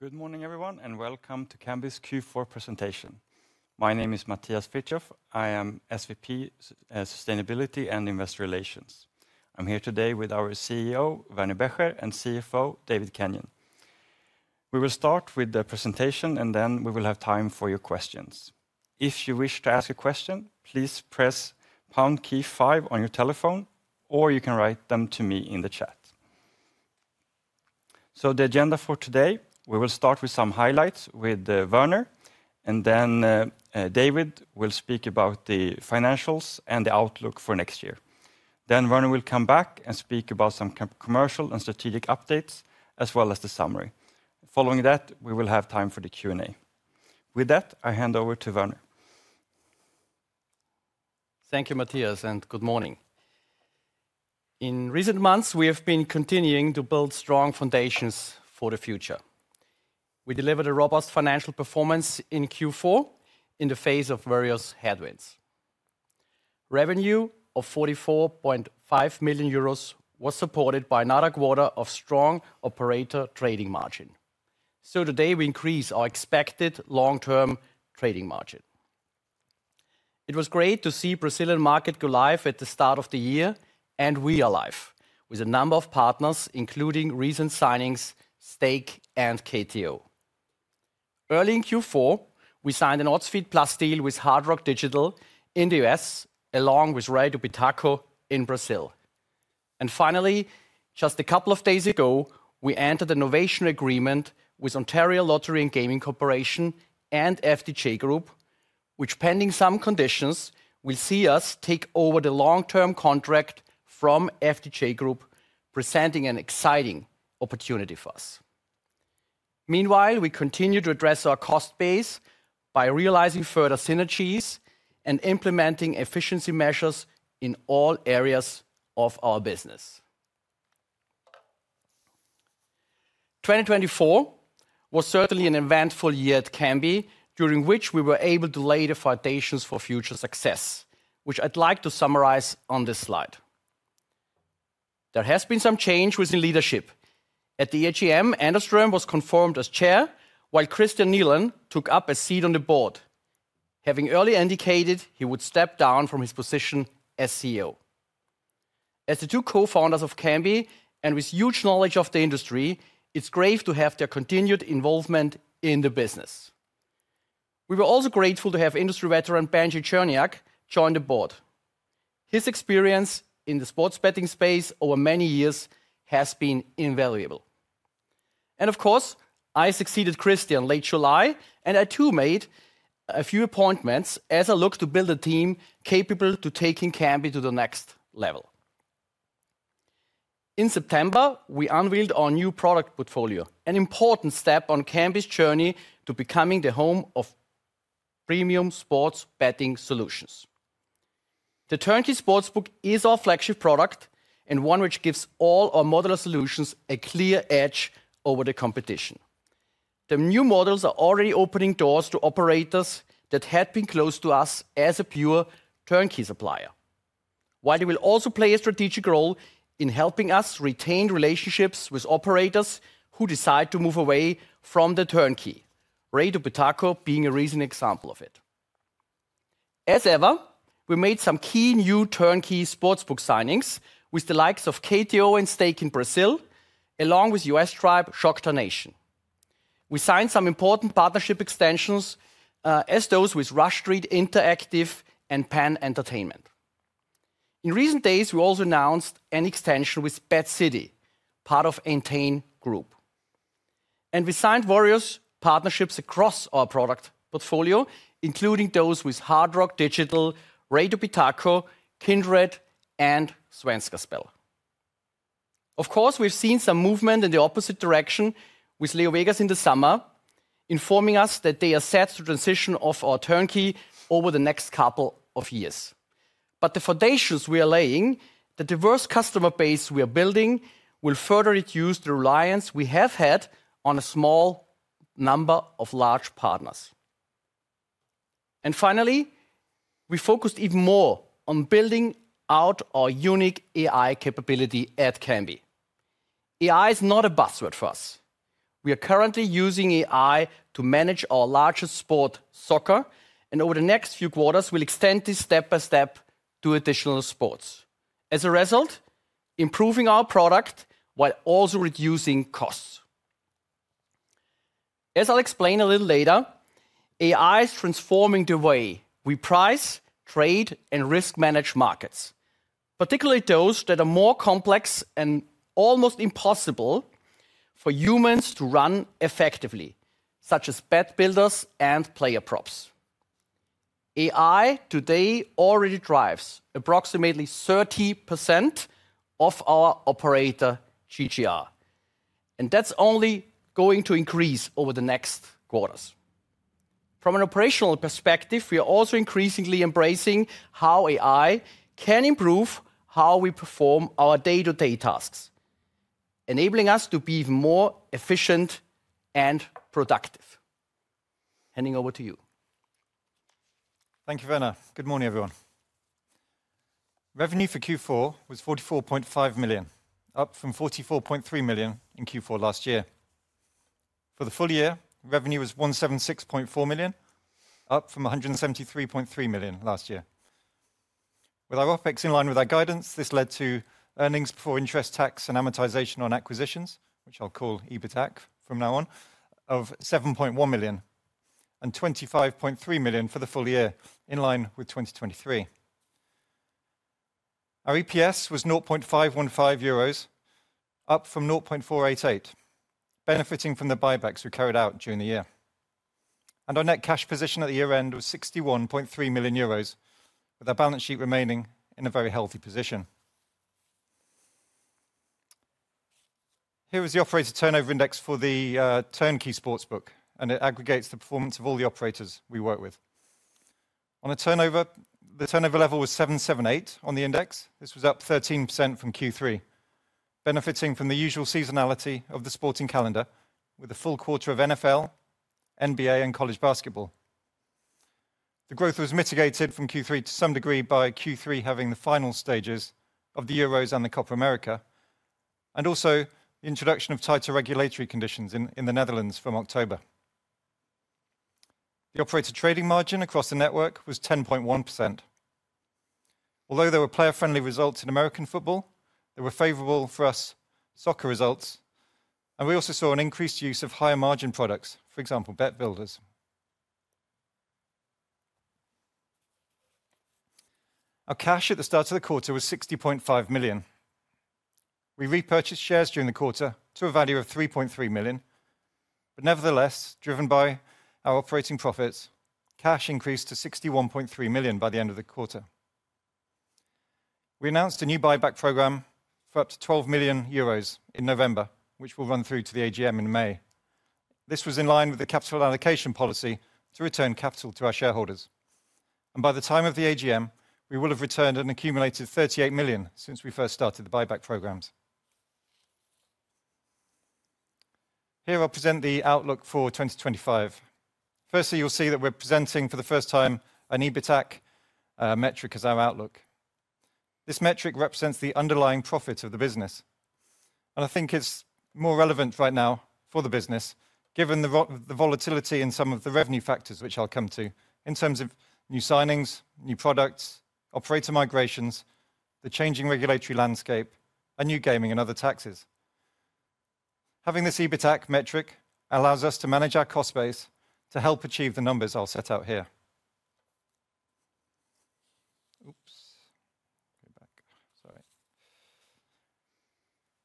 Good morning, everyone, and welcome to Kambi's Q4 presentation. My name is Mattias Frithiof. I am SVP, Sustainability and Investor Relations. I'm here today with our CEO, Werner Becher, and CFO, David Kenyon. We will start with the presentation, and then we will have time for your questions. If you wish to ask a question, please press pound key five on your telephone, or you can write them to me in the chat. So the agenda for today: we will start with some highlights with Werner, and then David will speak about the financials and the outlook for next year. Then Werner will come back and speak about some commercial and strategic updates, as well as the summary. Following that, we will have time for the Q&A. With that, I hand over to Werner. Thank you, Mattias, and good morning. In recent months, we have been continuing to build strong foundations for the future. We delivered a robust financial performance in Q4 in the face of various headwinds. Revenue of 44.5 million euros was supported by another quarter of strong operator trading margin. So today, we increased our expected long-term trading margin. It was great to see the Brazilian market go live at the start of the year, and we are live with a number of partners, including recent signings, Stake, and KTO. Early in Q4, we signed an Odds Feed+ deal with Hard Rock Digital in the US, along with Rei do Pitaco in Brazil. And finally, just a couple of days ago, we entered a novation agreement with Ontario Lottery and Gaming Corporation and FDJ Group, which, pending some conditions, will see us take over the long-term contract from FDJ Group, presenting an exciting opportunity for us. Meanwhile, we continue to address our cost base by realizing further synergies and implementing efficiency measures in all areas of our business. 2024 was certainly an eventful year at Kambi, during which we were able to lay the foundations for future success, which I'd like to summarize on this slide. There has been some change within leadership. At the AGM, Anders Ström was confirmed as Chair, while Kristian Nylén took up a seat on the board, having early indicated he would step down from his position as CEO. As the two co-founders of Kambi, and with huge knowledge of the industry, it's great to have their continued involvement in the business. We were also grateful to have industry veteran Benjie Cherniak join the board. His experience in the sports betting space over many years has been invaluable. And of course, I succeeded Kristian late July, and I too made a few appointments as I looked to build a team capable of taking Kambi to the next level. In September, we unveiled our new product portfolio, an important step on Kambi's journey to becoming the home of premium sports betting solutions. The Turnkey Sportsbook is our flagship product and one which gives all our modular solutions a clear edge over the competition. The new models are already opening doors to operators that had been closed to us as a pure turnkey supplier, while they will also play a strategic role in helping us retain relationships with operators who decide to move away from the turnkey, Rei do Pitaco being a recent example of it. As ever, we made some key new Turnkey Sportsbook signings with the likes of KTO and Stake in Brazil, along with U.S. tribe Choctaw Nation. We signed some important partnership extensions, as those with Rush Street Interactive and PENN Entertainment. In recent days, we also announced an extension with BetCity, part of Entain Group. And we signed various partnerships across our product portfolio, including those with Hard Rock Digital, Rei do Pitaco, Kindred, and Svenska Spel. Of course, we've seen some movement in the opposite direction with LeoVegas in the summer, informing us that they are set to transition off our turnkey over the next couple of years. But the foundations we are laying, the diverse customer base we are building, will further reduce the reliance we have had on a small number of large partners. And finally, we focused even more on building out our unique AI capability at Kambi. AI is not a buzzword for us. We are currently using AI to manage our largest sport, soccer, and over the next few quarters, we'll extend this step by step to additional sports. As a result, improving our product while also reducing costs. As I'll explain a little later, AI is transforming the way we price, trade, and risk-manage markets, particularly those that are more complex and almost impossible for humans to run effectively, such as bet builders and player props. AI today already drives approximately 30% of our operator GGR, and that's only going to increase over the next quarters. From an operational perspective, we are also increasingly embracing how AI can improve how we perform our day-to-day tasks, enabling us to be even more efficient and productive. Handing over to you. Thank you, Werner. Good morning, everyone. Revenue for Q4 was €44.5 million, up from €44.3 million in Q4 last year. For the full year, revenue was €176.4 million, up from €173.3 million last year. With our OpEx in line with our guidance, this led to earnings before interest tax and amortization on acquisitions, which I'll call EBITAC from now on, of €7.1 million and €25.3 million for the full year, in line with 2023. Our EPS was €0.515, up from €0.488, benefiting from the buybacks we carried out during the year. And our net cash position at the year-end was €61.3 million, with our balance sheet remaining in a very healthy position. Here is the Operator Turnover Index for the Turnkey Sportsbook, and it aggregates the performance of all the operators we work with. On the turnover, the turnover level was 778 on the index. This was up 13% from Q3, benefiting from the usual seasonality of the sporting calendar, with a full quarter of NFL, NBA, and college basketball. The growth was mitigated from Q3 to some degree by Q3 having the final stages of the Euros and the Copa America, and also the introduction of tighter regulatory conditions in the Netherlands from October. The operator trading margin across the network was 10.1%. Although there were player-friendly results in American football, they were favorable for us soccer results, and we also saw an increased use of higher margin products, for example, bet builders. Our cash at the start of the quarter was 60.5 million. We repurchased shares during the quarter to a value of 3.3 million, but nevertheless, driven by our operating profits, cash increased to 61.3 million by the end of the quarter. We announced a new buyback program for up to €12 million in November, which will run through to the AGM in May. This was in line with the capital allocation policy to return capital to our shareholders. By the time of the AGM, we will have returned an accumulated €38 million since we first started the buyback programs. Here I'll present the outlook for 2025. Firstly, you'll see that we're presenting for the first time an EBITAC metric as our outlook. This metric represents the underlying profit of the business, and I think it's more relevant right now for the business, given the volatility in some of the revenue factors, which I'll come to, in terms of new signings, new products, operator migrations, the changing regulatory landscape, and new gaming and other taxes. Having this EBITAC metric allows us to manage our cost base to help achieve the numbers I'll set out here. Oops. Go back. Sorry.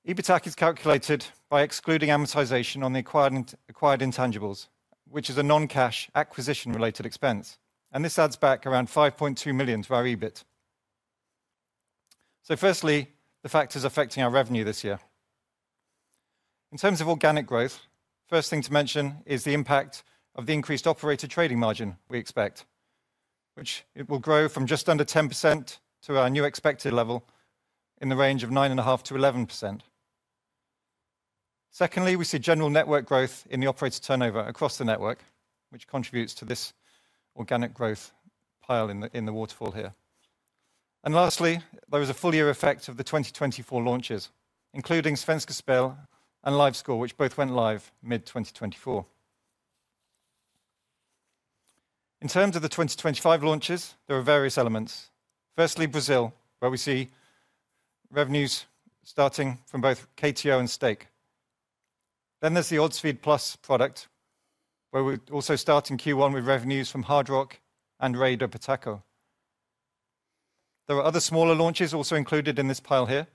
EBITAC is calculated by excluding amortization on the acquired intangibles, which is a non-cash acquisition-related expense, and this adds back around 5.2 million to our EBIT. So firstly, the factors affecting our revenue this year. In terms of organic growth, the first thing to mention is the impact of the increased operator trading margin we expect, which will grow from just under 10% to our new expected level in the range of 9.5% to 11%. Secondly, we see general network growth in the operator turnover across the network, which contributes to this organic growth pile in the waterfall here. And lastly, there was a full-year effect of the 2024 launches, including Svenska Spel and LiveScore, which both went live mid-2024. In terms of the 2025 launches, there are various elements. Firstly, Brazil, where we see revenues starting from both KTO and Stake. Then there's the Odds Feed+ product, where we're also starting Q1 with revenues from Hard Rock Digital and Rei do Pitaco. There are other smaller launches also included in this pile here,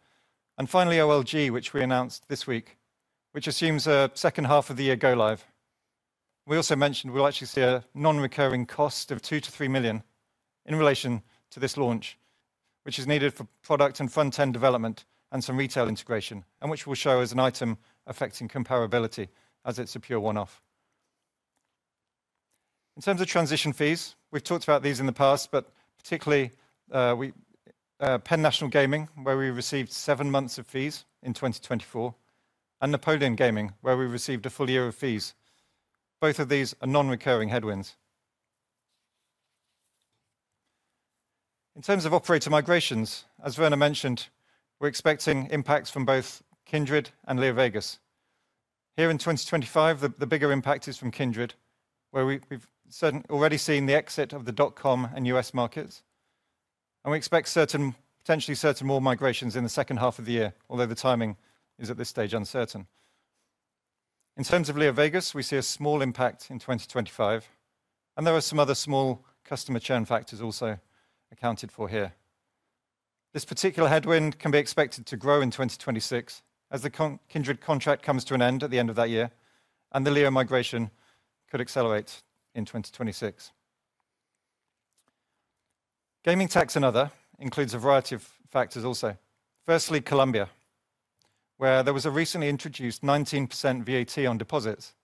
and finally, OLG, which we announced this week, which assumes a second half of the year go live. We also mentioned we'll actually see a non-recurring cost of €2-€3 million in relation to this launch, which is needed for product and front-end development and some retail integration, and which we'll show as an item affecting comparability as it's a pure one-off. In terms of transition fees, we've talked about these in the past, but particularly PENN National Gaming, where we received seven months of fees in 2024, and Napoleon Sports & Casino, where we received a full year of fees. Both of these are non-recurring headwinds. In terms of operator migrations, as Werner mentioned, we're expecting impacts from both Kindred and LeoVegas. Here in 2025, the bigger impact is from Kindred, where we've already seen the exit of the dot-com and U.S. markets, and we expect potentially certain more migrations in the second half of the year, although the timing is at this stage uncertain. In terms of LeoVegas, we see a small impact in 2025, and there are some other small customer churn factors also accounted for here. This particular headwind can be expected to grow in 2026, as the Kindred contract comes to an end at the end of that year, and the Leo migration could accelerate in 2026. Gaming tax and other includes a variety of factors also. Firstly, Colombia, where there was a recently introduced 19% VAT on deposits.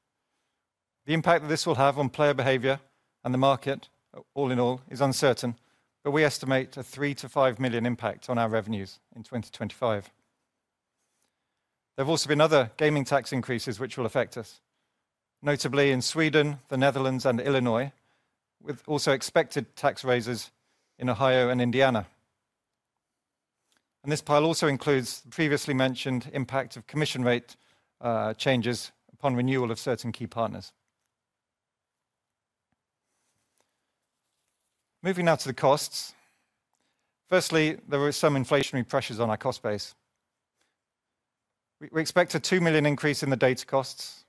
The impact that this will have on player behavior and the market, all in all, is uncertain, but we estimate a €3-€5 million impact on our revenues in 2025. There have also been other gaming tax increases which will affect us, notably in Sweden, the Netherlands, and Illinois, with also expected tax raises in Ohio and Indiana. And this pile also includes the previously mentioned impact of commission rate changes upon renewal of certain key partners. Moving now to the costs. Firstly, there were some inflationary pressures on our cost base. We expect a 2 million increase in the data costs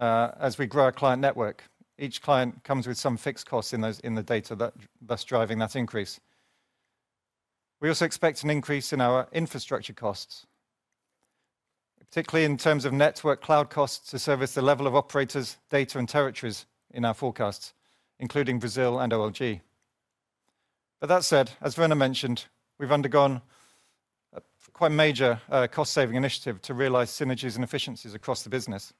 as we grow our client network. Each client comes with some fixed costs in the data that's driving that increase. We also expect an increase in our infrastructure costs, particularly in terms of network cloud costs to service the level of operators, data, and territories in our forecasts, including Brazil and OLG, but that said, as Werner mentioned, we've undergone a quite major cost-saving initiative to realize synergies and efficiencies across the business.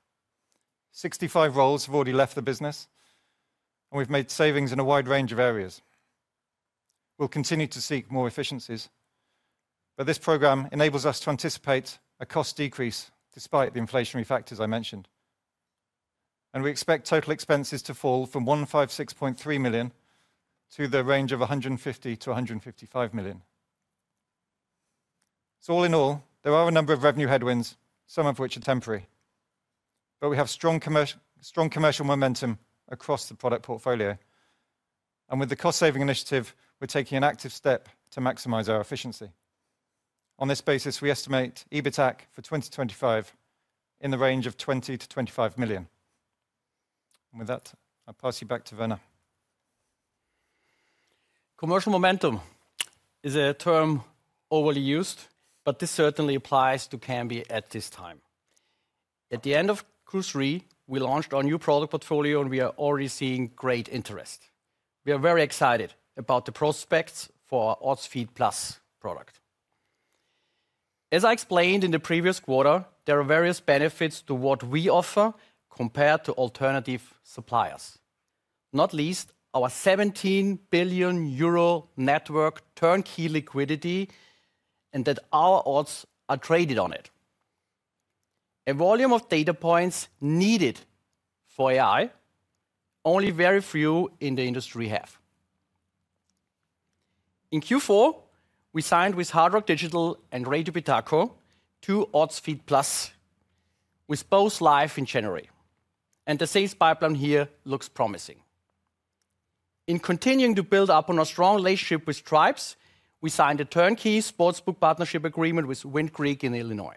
65 roles have already left the business, and we've made savings in a wide range of areas. We'll continue to seek more efficiencies, but this program enables us to anticipate a cost decrease despite the inflationary factors I mentioned, and we expect total expenses to fall from 156.3 million to the range of 150-155 million. All in all, there are a number of revenue headwinds, some of which are temporary, but we have strong commercial momentum across the product portfolio, and with the cost-saving initiative, we're taking an active step to maximize our efficiency. On this basis, we estimate EBITAC for 2025 in the range of €20-€25 million. With that, I'll pass you back to Werner. Commercial momentum is a term overly used, but this certainly applies to Kambi at this time. At the end of Q3, we launched our new product portfolio, and we are already seeing great interest. We are very excited about the prospects for our Odds Feed+ product. As I explained in the previous quarter, there are various benefits to what we offer compared to alternative suppliers, not least our 17 billion euro network turnkey liquidity and that our odds are traded on it. A volume of data points needed for AI, only very few in the industry have. In Q4, we signed with Hard Rock Digital and Rei do Pitaco, two Odds Feed+, with both live in January, and the sales pipeline here looks promising. In continuing to build up on our strong relationship with tribes, we signed a turnkey sportsbook partnership agreement with Wind Creek in Illinois,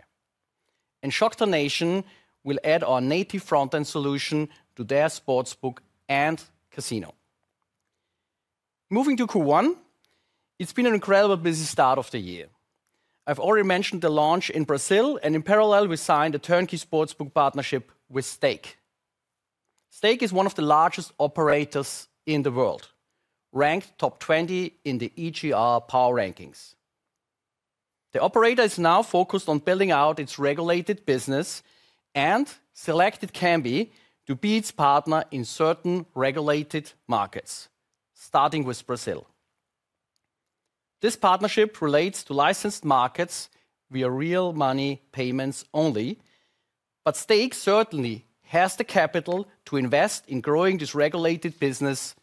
and Choctaw Nation will add our native front end solution to their sportsbook and casino. Moving to Q1, it's been an incredible busy start of the year. I've already mentioned the launch in Brazil, and in parallel, we signed a turnkey sportsbook partnership with Stake. Stake is one of the largest operators in the world, ranked top 20 in the EGR power rankings. The operator is now focused on building out its regulated business and selected Kambi to be its partner in certain regulated markets, starting with Brazil. This partnership relates to licensed markets via real money payments only, but Stake certainly has the capital to invest in growing this regulated business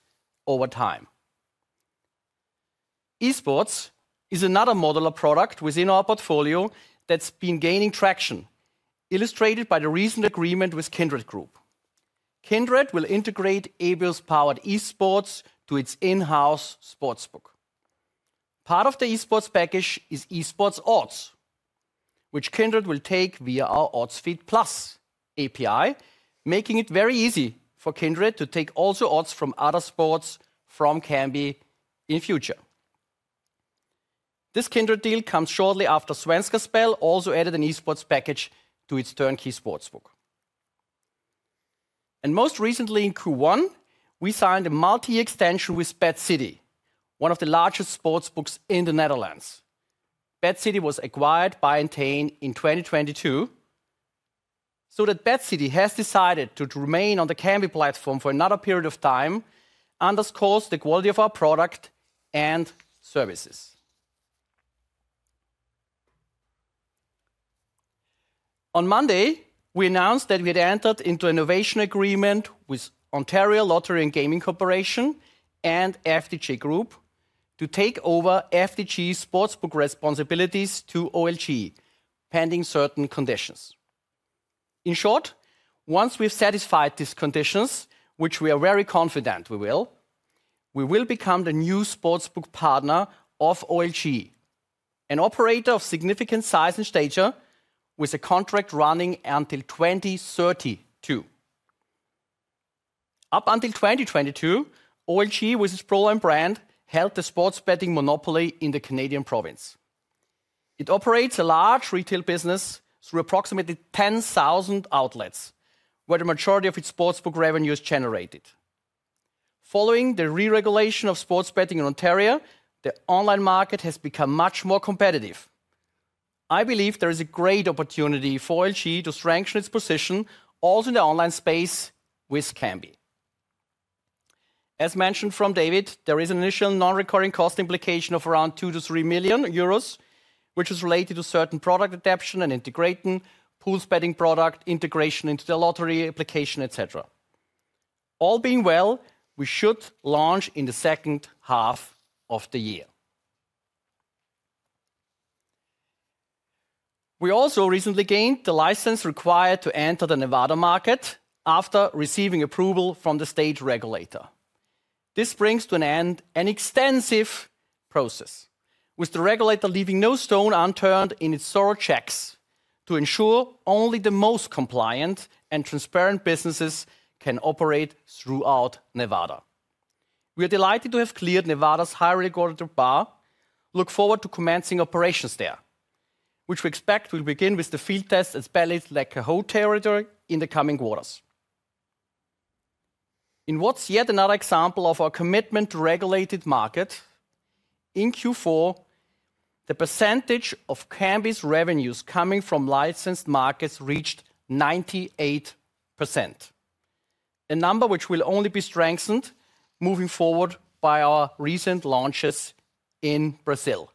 over time. eSports is another modular product within our portfolio that's been gaining traction, illustrated by the recent agreement with Kindred Group. Kindred will integrate Abios-powered eSports to its in-house sports book. Part of the eSports package is eSports odds, which Kindred will take via our Odds Feed+ API, making it very easy for Kindred to take also odds from other sports from Kambi in future. This Kindred deal comes shortly after Svenska Spel also added an eSports package to its turnkey sports book. And most recently, in Q1, we signed a multi-year extension with BetCity, one of the largest sports books in the Netherlands. BetCity was acquired by Entain in 2022. So that BetCity has decided to remain on the Kambi platform for another period of time underscores the quality of our product and services. On Monday, we announced that we had entered into an innovation agreement with Ontario Lottery and Gaming Corporation and FDJ Group to take over FDJ sportsbook responsibilities to OLG, pending certain conditions. In short, once we've satisfied these conditions, which we are very confident we will, we will become the new sportsbook partner of OLG, an operator of significant size and stature with a contract running until 2032. Up until 2022, OLG, with its Proline brand, held the sports betting monopoly in the Canadian province. It operates a large retail business through approximately 10,000 outlets, where the majority of its sportsbook revenue is generated. Following the re-regulation of sports betting in Ontario, the online market has become much more competitive. I believe there is a great opportunity for OLG to strengthen its position also in the online space with Kambi. As mentioned from David, there is an initial non-recurring cost implication of around €2-€3 million, which is related to certain product adaptation and integration, pool betting product integration into the lottery application, etc. All being well, we should launch in the second half of the year. We also recently gained the license required to enter the Nevada market after receiving approval from the state regulator. This brings to an end an extensive process, with the regulator leaving no stone unturned in its thorough checks to ensure only the most compliant and transparent businesses can operate throughout Nevada. We are delighted to have cleared Nevada's higher regulatory bar. Look forward to commencing operations there, which we expect will begin with the field tests at Bally's Lake Tahoe in the coming quarters. In what's yet another example of our commitment to regulated market, in Q4, the percentage of Kambi's revenues coming from licensed markets reached 98%, a number which will only be strengthened moving forward by our recent launches in Brazil.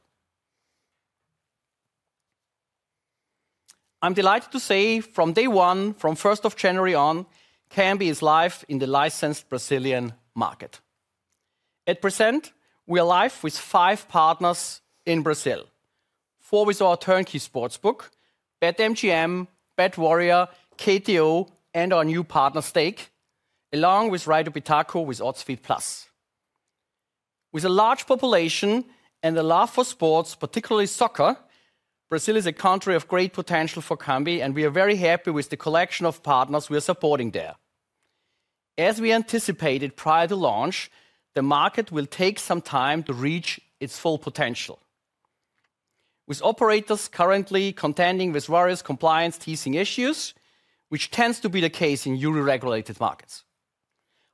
I'm delighted to say from day one, from 1st of January on, Kambi is live in the licensed Brazilian market. At present, we are live with five partners in Brazil, four with our turnkey sportsbook, BetMGM, BetWarrior, KTO, and our new partner Stake, along with Rei do Pitaco with Odds Feed+. With a large population and a love for sports, particularly soccer, Brazil is a country of great potential for Kambi, and we are very happy with the collection of partners we are supporting there. As we anticipated prior to launch, the market will take some time to reach its full potential, with operators currently contending with various compliance testing issues, which tends to be the case in newly regulated markets.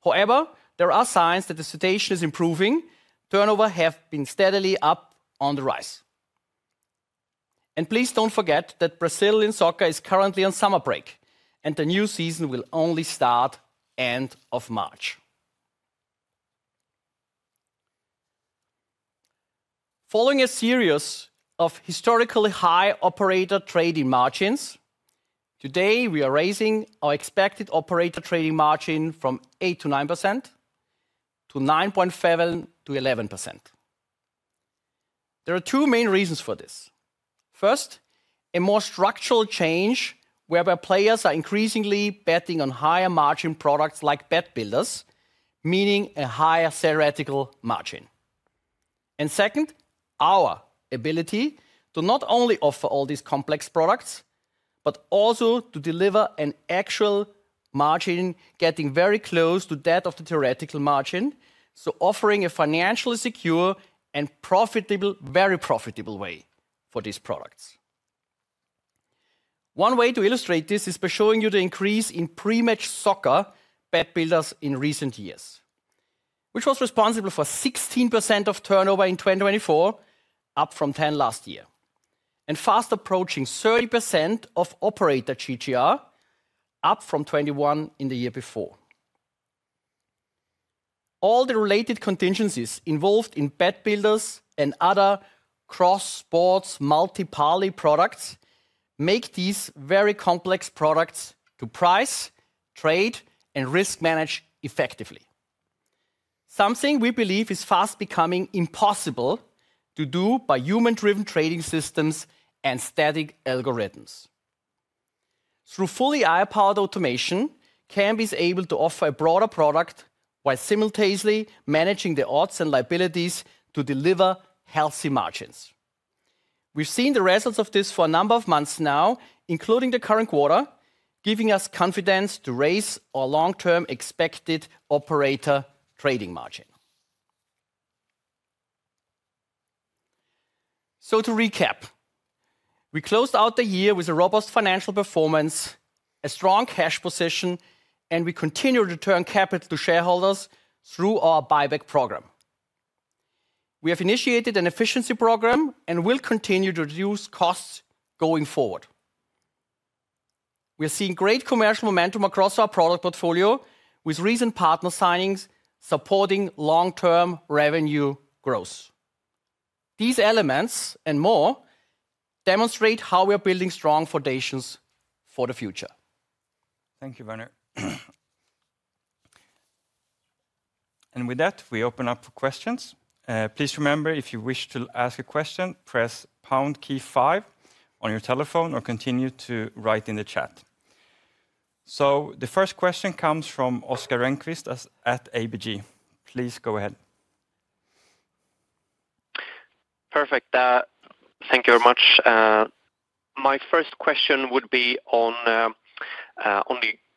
However, there are signs that the situation is improving. Turnover has been steadily up on the rise, and please don't forget that Brazilian soccer is currently on summer break, and the new season will only start at the end of March. Following a series of historically high operator trading margins, today we are raising our expected operator trading margin from 8%-9% to 9.7%-11%. There are two main reasons for this. First, a more structural change where our players are increasingly betting on higher margin products like Bet Builders, meaning a higher theoretical margin. Second, our ability to not only offer all these complex products, but also to deliver an actual margin getting very close to that of the theoretical margin, so offering a financially secure and profitable, very profitable way for these products. One way to illustrate this is by showing you the increase in pre-match soccer bet builders in recent years, which was responsible for 16% of turnover in 2024, up from 10% last year, and fast approaching 30% of operator GGR, up from 21% in the year before. All the related contingencies involved in bet builders and other cross-sports multi-party products make these very complex products to price, trade, and risk manage effectively, something we believe is fast becoming impossible to do by human-driven trading systems and static algorithms. Through fully AI-powered automation, Kambi is able to offer a broader product while simultaneously managing the odds and liabilities to deliver healthy margins. We've seen the results of this for a number of months now, including the current quarter, giving us confidence to raise our long-term expected operator trading margin. So to recap, we closed out the year with a robust financial performance, a strong cash position, and we continue to turn capital to shareholders through our buyback program. We have initiated an efficiency program and will continue to reduce costs going forward. We are seeing great commercial momentum across our product portfolio with recent partner signings supporting long-term revenue growth. These elements and more demonstrate how we are building strong foundations for the future. Thank you, Werner. And with that, we open up for questions. Please remember, if you wish to ask a question, press pound key five on your telephone or continue to write in the chat. So the first question comes from Oscar Rönnkvist at ABG. Please go ahead. Perfect. Thank you very much. My first question would be on the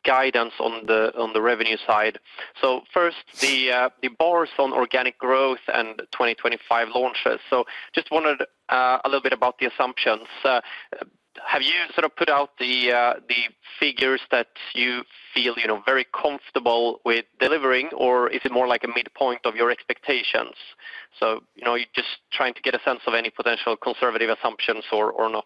guidance on the revenue side. So first, the bars on organic growth and 2025 launches. So just wondered a little bit about the assumptions. Have you sort of put out the figures that you feel very comfortable with delivering, or is it more like a midpoint of your expectations? So you're just trying to get a sense of any potential conservative assumptions or not?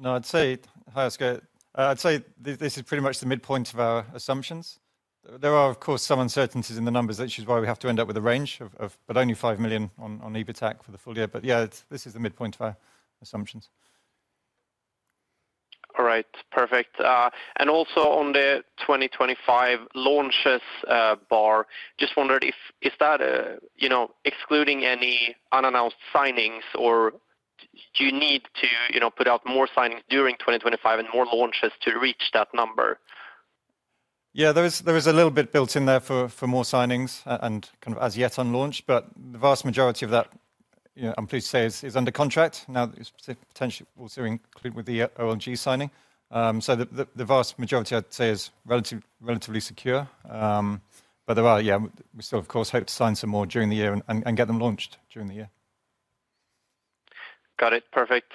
No, I'd say, hi, Oscar. I'd say this is pretty much the midpoint of our assumptions. There are, of course, some uncertainties in the numbers, which is why we have to end up with a range, but only €5 million on EBITAC for the full year. But yeah, this is the midpoint of our assumptions. All right. Perfect. And also on the 2025 launches bar, just wondered if that excluding any unannounced signings, or do you need to put out more signings during 2025 and more launches to reach that number? Yeah, there was a little bit built in there for more signings and kind of as yet unlaunched, but the vast majority of that, I'm pleased to say, is under contract. Now, potentially also included with the OLG signing, so the vast majority, I'd say, is relatively secure, but there are, yeah, we still, of course, hope to sign some more during the year and get them launched during the year. Got it. Perfect.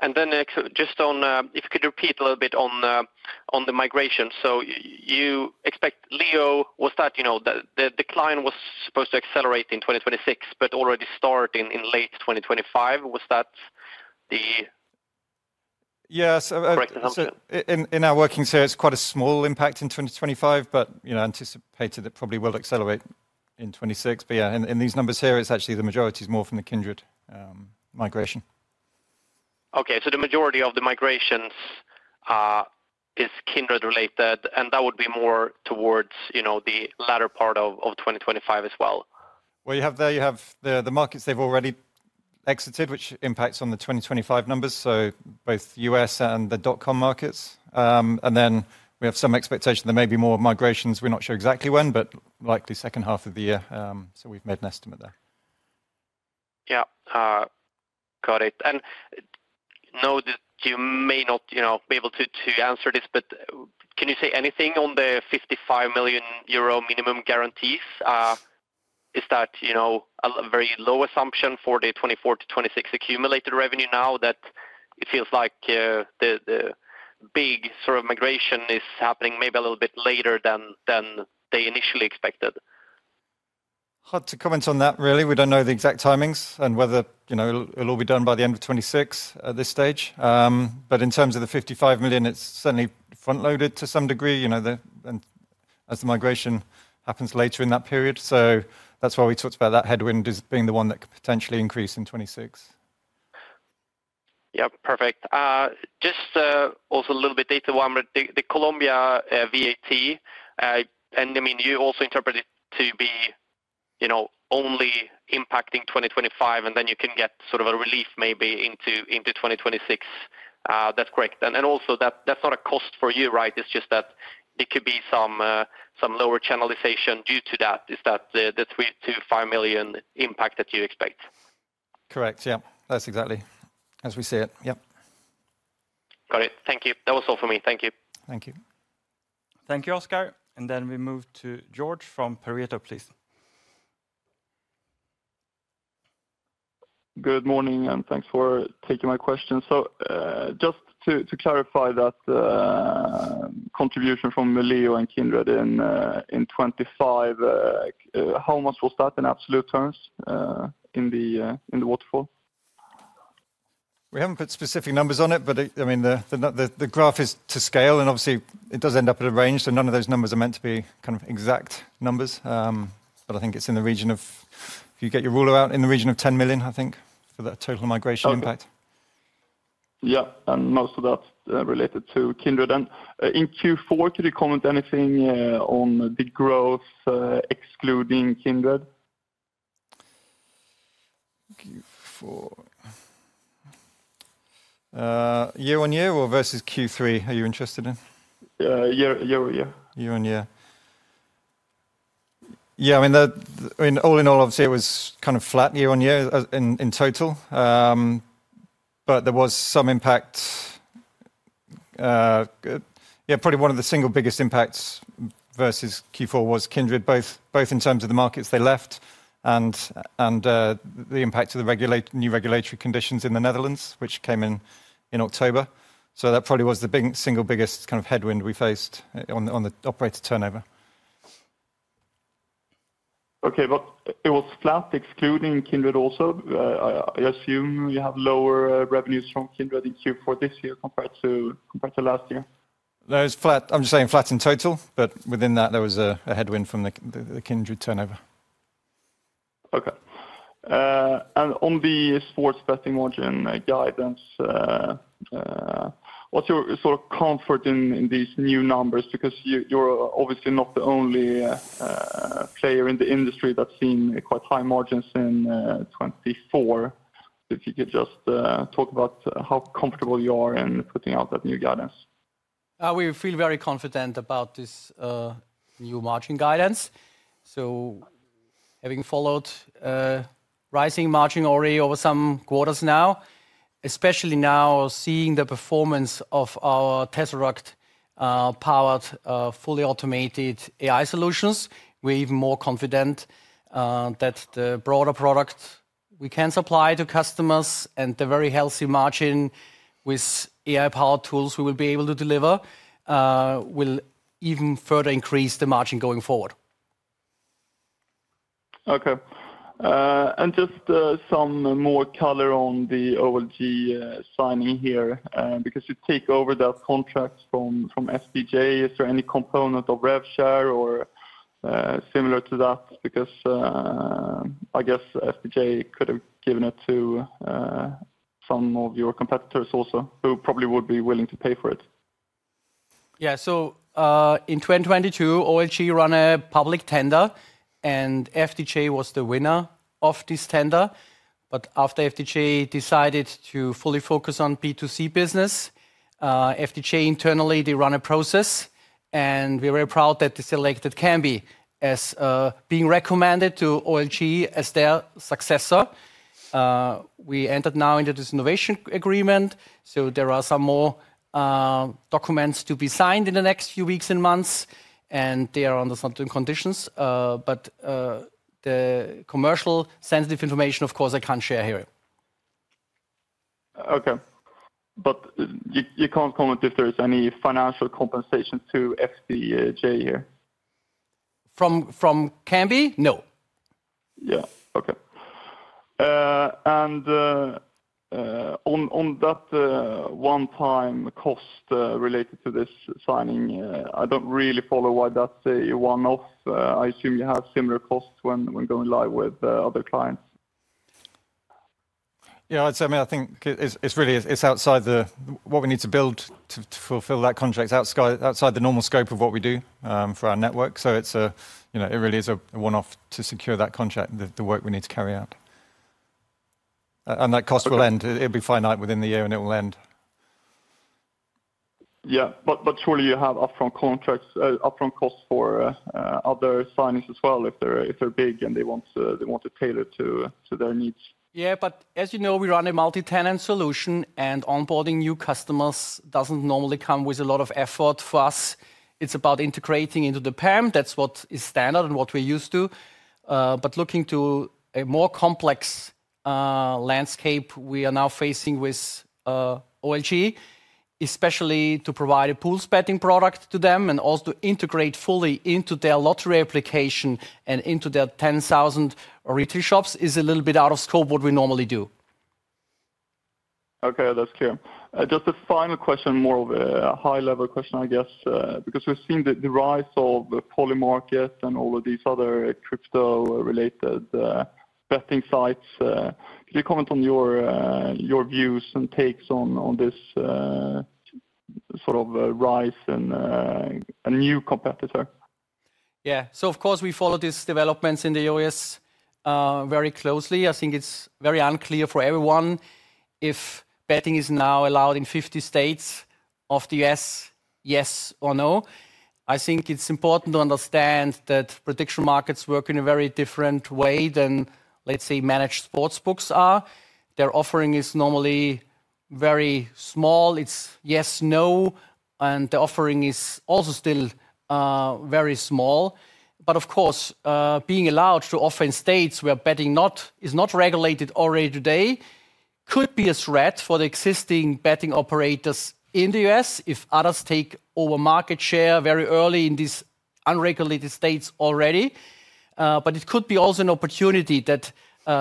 And then just on, if you could repeat a little bit on the migration. So you expect Leo, was that the decline was supposed to accelerate in 2026, but already start in late 2025? Was that the correct assumption? Yes. In our working series, it's quite a small impact in 2025, but anticipated that probably will accelerate in 2026. But yeah, in these numbers here, it's actually the majority is more from the Kindred migration. Okay, so the majority of the migrations is Kindred related, and that would be more towards the latter part of 2025 as well? You have the markets they've already exited, which impacts on the 2025 numbers, so both US and the dot-com markets. Then we have some expectation there may be more migrations. We're not sure exactly when, but likely second half of the year. We've made an estimate there. Yeah. Got it. I know that you may not be able to answer this, but can you say anything on the 55 million euro minimum guarantees? Is that a very low assumption for the 2024 to 2026 accumulated revenue now that it feels like the big sort of migration is happening maybe a little bit later than they initially expected? Hard to comment on that, really. We don't know the exact timings and whether it'll all be done by the end of 2026 at this stage. But in terms of the €55 million, it's certainly front-loaded to some degree as the migration happens later in that period. So that's why we talked about that headwind as being the one that could potentially increase in 2026. Yeah. Perfect. Just also a little bit data on the Colombia VAT. And I mean, you also interpret it to be only impacting 2025, and then you can get sort of a relief maybe into 2026. That's correct. And also, that's not a cost for you, right? It's just that it could be some lower channelization due to that. Is that the €3-€5 million impact that you expect? Correct. Yeah. That's exactly as we see it. Yeah. Got it. Thank you. That was all for me. Thank you. Thank you. Thank you, Oscar. And then we move to George from Pareto, please. Good morning, and thanks for taking my question. So just to clarify that contribution from Leo and Kindred in 2025, how much will that in absolute terms in the waterfall? We haven't put specific numbers on it, but I mean, the graph is to scale, and obviously, it does end up at a range. So none of those numbers are meant to be kind of exact numbers. But I think it's in the region of, if you get your ruler out, in the region of 10 million, I think, for that total migration impact. Yeah. And most of that related to Kindred. And in Q4, could you comment anything on the growth excluding Kindred? Year on year or versus Q3? Are you interested in? Year on year. Year on year. Yeah. I mean, all in all, I would say it was kind of flat year on year in total. But there was some impact. Yeah, probably one of the single biggest impacts versus Q4 was Kindred, both in terms of the markets they left and the impact of the new regulatory conditions in the Netherlands, which came in October. So that probably was the single biggest kind of headwind we faced on the operator turnover. Okay. But it was flat excluding Kindred also. I assume you have lower revenues from Kindred in Q4 this year compared to last year. I'm just saying flat in total, but within that, there was a headwind from the Kindred turnover. Okay. And on the sports betting margin guidance, what's your sort of comfort in these new numbers? Because you're obviously not the only player in the industry that's seen quite high margins in 2024. If you could just talk about how comfortable you are in putting out that new guidance. We feel very confident about this new margin guidance, so having followed rising margin already over some quarters now, especially now seeing the performance of our Tzeract-powered fully automated AI solutions, we're even more confident that the broader product we can supply to customers and the very healthy margin with AI-powered tools we will be able to deliver will even further increase the margin going forward. Okay. And just some more color on the OLG signing here, because you take over that contract from FDJ. Is there any component of RevShare or similar to that? Because I guess FDJ could have given it to some of your competitors also who probably would be willing to pay for it. Yeah. So in 2022, OLG ran a public tender, and FDJ was the winner of this tender. But after FDJ decided to fully focus on B2C business, FDJ internally, they run a process, and we're very proud that the selected Kambi is being recommended to OLG as their successor. We entered now into this innovation agreement. So there are some more documents to be signed in the next few weeks and months, and they are under certain conditions. But the commercially sensitive information, of course, I can't share here. Okay, but you can't comment if there's any financial compensation to FDJ here? From Kambi? No. Yeah. Okay. And on that one-time cost related to this signing, I don't really follow why that's a one-off. I assume you have similar costs when going live with other clients. Yeah. I mean, I think it's really outside what we need to build to fulfill that contract, outside the normal scope of what we do for our network. So it really is a one-off to secure that contract, the work we need to carry out. And that cost will end. It'll be finite within the year, and it will end. Yeah. But surely you have upfront costs for other signings as well if they're big and they want to tailor to their needs. Yeah, but as you know, we run a multi-tenant solution, and onboarding new customers doesn't normally come with a lot of effort for us. It's about integrating into the PAM. That's what is standard and what we're used to, but looking to a more complex landscape we are now facing with OLG, especially to provide a pool betting product to them and also to integrate fully into their lottery application and into their 10,000 retail shops is a little bit out of scope what we normally do. Okay. That's clear. Just a final question, more of a high-level question, I guess, because we've seen the rise of Polymarket and all of these other crypto-related betting sites. Could you comment on your views and takes on this sort of rise and a new competitor? Yeah. So of course, we follow these developments in the U.S. very closely. I think it's very unclear for everyone if betting is now allowed in 50 states of the U.S., yes or no. I think it's important to understand that prediction markets work in a very different way than, let's say, managed sports books are. Their offering is normally very small. It's yes, no. And the offering is also still very small. But of course, being allowed to offer in states where betting is not regulated already today could be a threat for the existing betting operators in the U.S. if others take over market share very early in these unregulated states already. But it could be also an opportunity that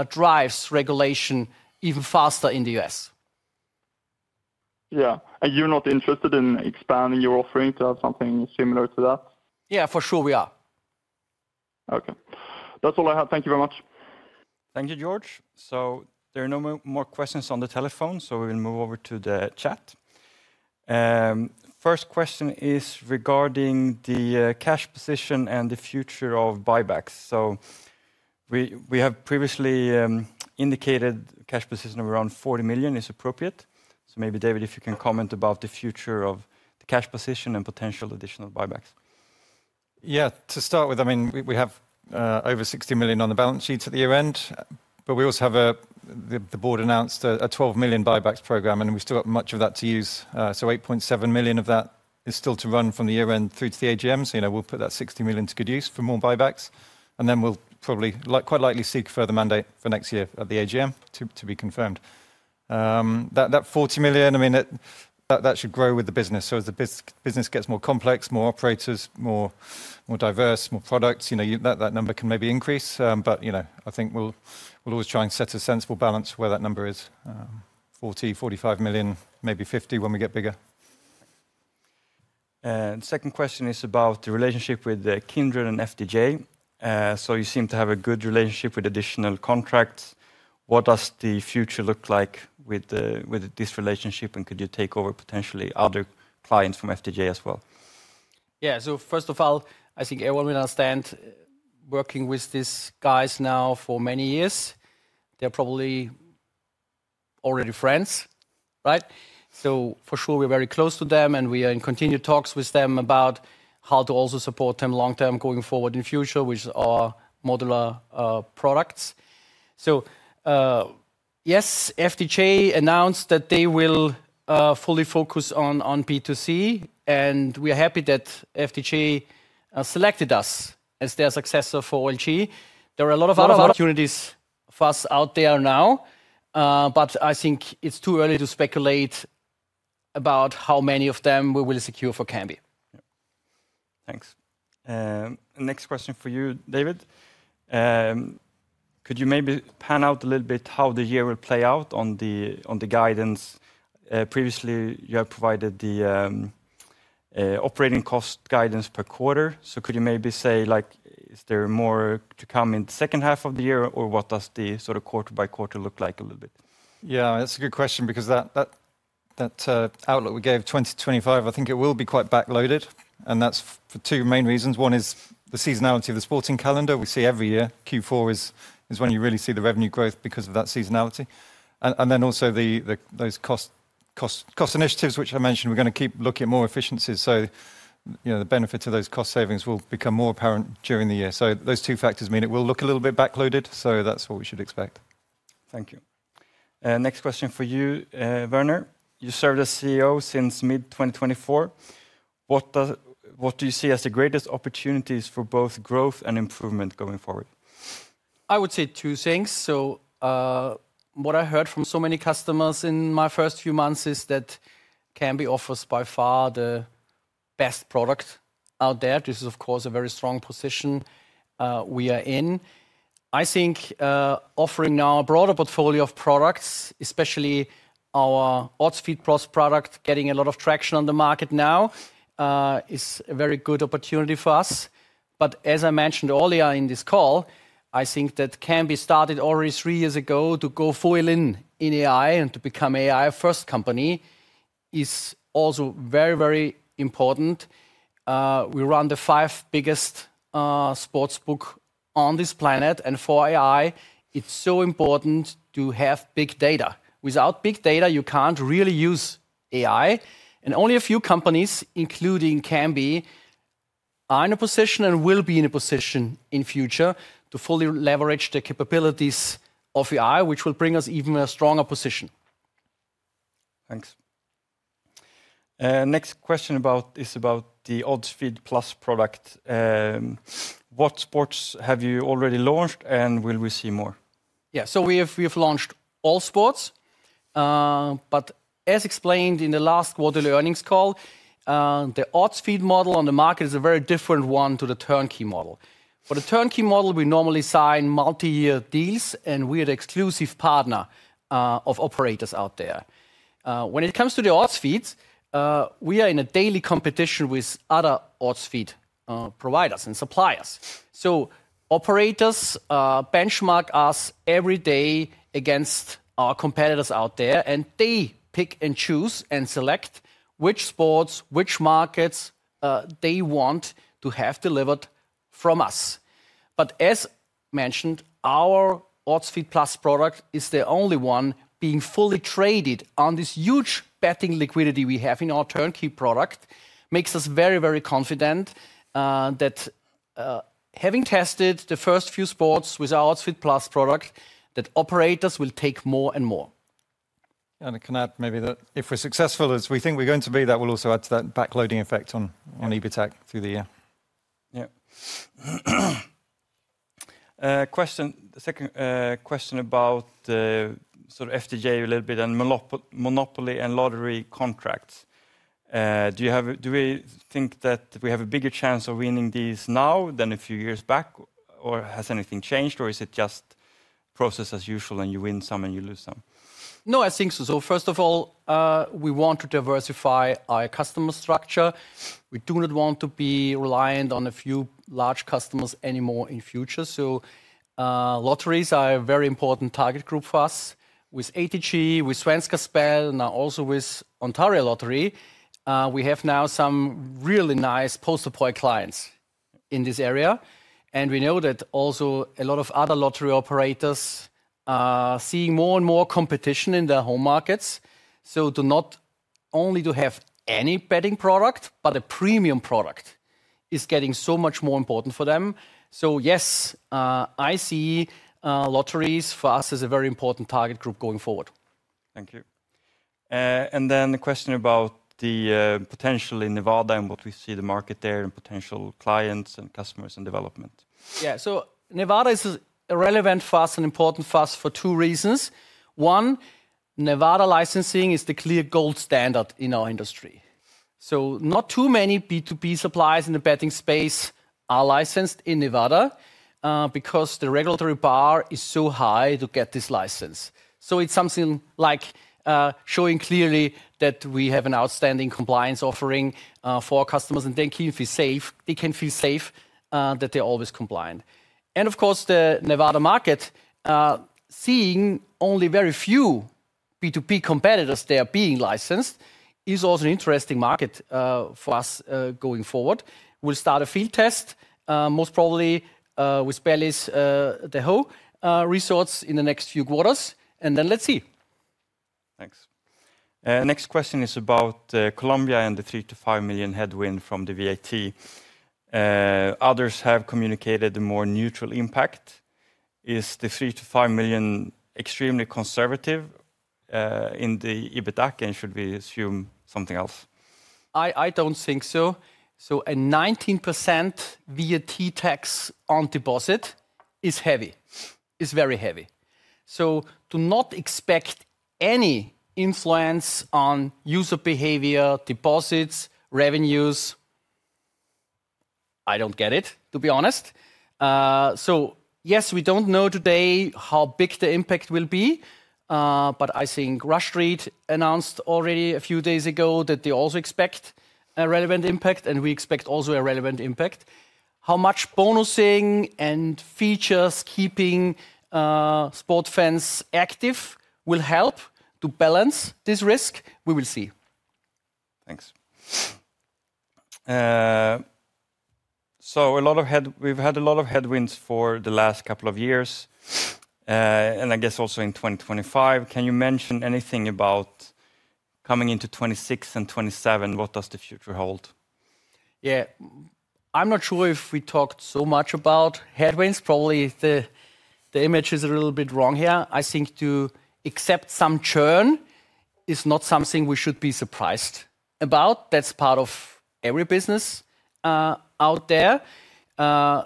drives regulation even faster in the U.S. Yeah, and you're not interested in expanding your offering to have something similar to that? Yeah, for sure we are. Okay. That's all I have. Thank you very much. Thank you, George. So there are no more questions on the telephone, so we will move over to the chat. First question is regarding the cash position and the future of buybacks. So we have previously indicated cash position of around 40 million is appropriate. So maybe, David, if you can comment about the future of the cash position and potential additional buybacks. Yeah. To start with, I mean, we have over 60 million on the balance sheet at the year end. But we also have a, the board announced a 12 million buybacks program, and we've still got much of that to use. So 8.7 million of that is still to run from the year end through to the AGM. So we'll put that 60 million to good use for more buybacks. And then we'll probably quite likely seek further mandate for next year at the AGM to be confirmed. That €40 million, I mean, that should grow with the business. So as the business gets more complex, more operators, more diverse, more products, that number can maybe increase. But I think we'll always try and set a sensible balance where that number is, €40 million, €45 million, maybe €50 million when we get bigger. And second question is about the relationship with Kindred and FDJ. So you seem to have a good relationship with additional contracts. What does the future look like with this relationship? And could you take over potentially other clients from FDJ as well? Yeah. So first of all, I think everyone will understand working with these guys now for many years. They're probably already friends, right? So for sure, we're very close to them, and we are in continued talks with them about how to also support them long-term going forward in the future with our modular products. So yes, FDJ announced that they will fully focus on B2C, and we are happy that FDJ selected us as their successor for OLG. There are a lot of opportunities for us out there now, but I think it's too early to speculate about how many of them we will secure for Kambi. Thanks. And next question for you, David. Could you maybe pan out a little bit how the year will play out on the guidance? Previously, you have provided the operating cost guidance per quarter. So could you maybe say, is there more to come in the second half of the year, or what does the sort of quarter-by-quarter look like a little bit? Yeah. That's a good question because that outlook we gave 2025, I think it will be quite backloaded. And that's for two main reasons. One is the seasonality of the sporting calendar. We see every year Q4 is when you really see the revenue growth because of that seasonality. And then also those cost initiatives, which I mentioned, we're going to keep looking at more efficiencies. So the benefit of those cost savings will become more apparent during the year. So those two factors mean it will look a little bit backloaded. So that's what we should expect. Thank you. And next question for you, Werner. You served as CEO since mid-2024. What do you see as the greatest opportunities for both growth and improvement going forward? I would say two things. So what I heard from so many customers in my first few months is that Kambi offers by far the best product out there. This is, of course, a very strong position we are in. I think offering now a broader portfolio of products, especially our Odds Feed+ product, getting a lot of traction on the market now, is a very good opportunity for us. But as I mentioned earlier in this call, I think that Kambi started already three years ago to go full in on AI and to become AI-first company is also very, very important. We run the five biggest sports books on this planet. And for AI, it's so important to have big data. Without big data, you can't really use AI. And only a few companies, including Kambi, are in a position and will be in a position in the future to fully leverage the capabilities of AI, which will bring us even a stronger position. Thanks. And next question is about the Odds Feed+ product. What sports have you already launched, and will we see more? Yeah. So we have launched all sports. But as explained in the last quarterly earnings call, the Odds Feed+ model on the market is a very different one to the turnkey model. For the turnkey model, we normally sign multi-year deals, and we are the exclusive partner of operators out there. When it comes to the Odds Feeds, we are in a daily competition with other Odds Feed+ providers and suppliers. Operators benchmark us every day against our competitors out there, and they pick and choose and select which sports, which markets they want to have delivered from us. But as mentioned, our Odds Feed+ product is the only one being fully traded on this huge betting liquidity we have in our turnkey product makes us very, very confident that having tested the first few sports with our Odds Feed+ product, that operators will take more and more. We can add maybe that if we're successful, as we think we're going to be, that will also add to that backloading effect on EBITDA through the year. Yeah. Question, second question about sort of FDJ a little bit and monopoly and lottery contracts. Do we think that we have a bigger chance of winning these now than a few years back, or has anything changed, or is it just business as usual and you win some and you lose some? No, I think so. So first of all, we want to diversify our customer structure. We do not want to be reliant on a few large customers anymore in the future. So lotteries are a very important target group for us with ATG, with Svenska Spel, and also with Ontario Lottery. We have now some really nice Postcode Lottery clients in this area. And we know that also a lot of other lottery operators are seeing more and more competition in their home markets. So to not only have any betting product, but a premium product is getting so much more important for them. So yes, I see lotteries for us as a very important target group going forward. Thank you. And then a question about the potential in Nevada and what we see the market there and potential clients and customers and development. Yeah. So Nevada is relevant for us and important for us for two reasons. One, Nevada licensing is the clear gold standard in our industry. So not too many B2B suppliers in the betting space are licensed in Nevada because the regulatory bar is so high to get this license. So it's something like showing clearly that we have an outstanding compliance offering for our customers and they can feel safe that they're always compliant. And of course, the Nevada market, seeing only very few B2B competitors there being licensed, is also an interesting market for us going forward. We'll start a field test, most probably with Bally's Lake Tahoe in the next few quarters. And then let's see. Thanks. Next question is about Colombia and the €3-5 million headwind from the VAT. Others have communicated a more neutral impact. Is the €3-5 million extremely conservative in the EBITDA gain? Should we assume something else? I don't think so. So a 19% VAT tax on deposits is heavy. It's very heavy. So to not expect any influence on user behavior, deposits, revenues, I don't get it, to be honest. So yes, we don't know today how big the impact will be. But I think Rush Street announced already a few days ago that they also expect a relevant impact, and we expect also a relevant impact. How much bonusing and features keeping sports fans active will help to balance this risk, we will see. Thanks. So we've had a lot of headwinds for the last couple of years, and I guess also in 2025. Can you mention anything about coming into 2026 and 2027? What does the future hold? Yeah. I'm not sure if we talked so much about headwinds. Probably the image is a little bit wrong here. I think to accept some churn is not something we should be surprised about. That's part of every business out there.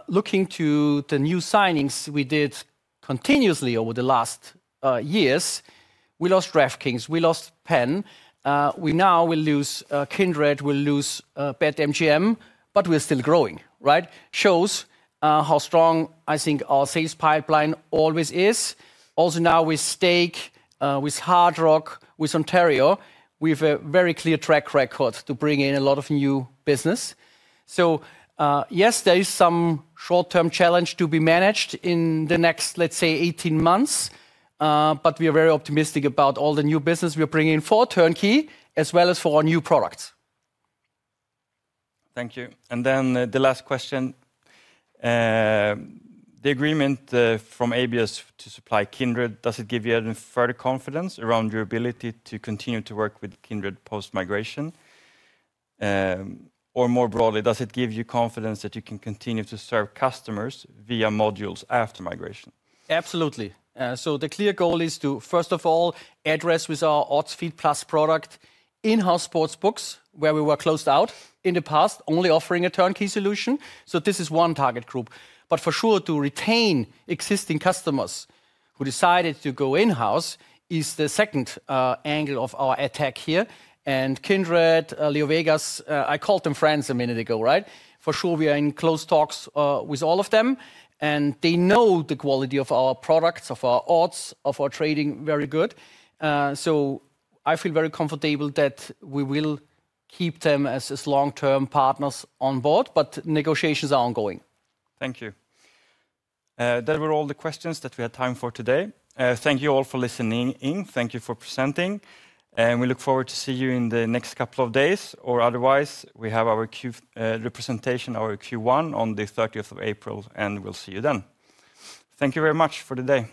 Looking to the new signings we did continuously over the last years, we lost DraftKings, we lost Penn. We now will lose Kindred, we'll lose BetMGM, but we're still growing, right? Shows how strong I think our sales pipeline always is. Also now with Stake, with Hard Rock, with Ontario, we have a very clear track record to bring in a lot of new business. So yes, there is some short-term challenge to be managed in the next, let's say, 18 months. But we are very optimistic about all the new business we're bringing in for turnkey as well as for our new products. Thank you. And then the last question. The agreement from Abios to supply Kindred, does it give you any further confidence around your ability to continue to work with Kindred post-migration? Or more broadly, does it give you confidence that you can continue to serve customers via modules after migration? Absolutely. So the clear goal is to, first of all, address with our Odds Feed+ product in-house sports books, where we were closed out in the past, only offering a turnkey solution. So this is one target group. But for sure, to retain existing customers who decided to go in-house is the second angle of our attack here. Kindred, LeoVegas, I called them friends a minute ago, right? For sure, we are in close talks with all of them. And they know the quality of our products, of our odds, of our trading very good. So I feel very comfortable that we will keep them as long-term partners on board, but negotiations are ongoing. Thank you. Those were all the questions that we had time for today. Thank you all for listening in. Thank you for presenting. And we look forward to seeing you in the next couple of days. Or otherwise, we have our representation, our Q1, on the 30th of April, and we'll see you then. Thank you very much for the day.